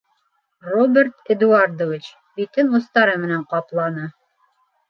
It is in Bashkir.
- Роберт Эдуардович битен устары менән капланы.